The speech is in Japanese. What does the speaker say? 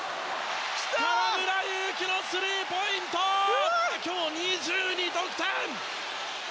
河村勇輝のスリーポイント今日２２得点！